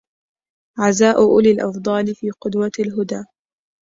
عزاء أولي الأفضال في قدوة الهدى